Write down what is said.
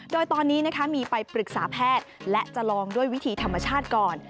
โดยตอนนี้มีไปปรึกษาแพทย์และจะลองด้วยวิธีธรรมชาติก่อน